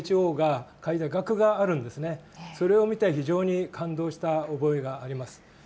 それを見て非常に感動した覚えがあります。